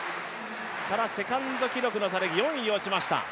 ただセカンド記録の差で４位に落ちました。